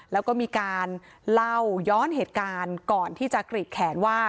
แล้วก็มีการเล่าย้อนเหตุการณ์ก่อนที่จะกรีดแขนว่า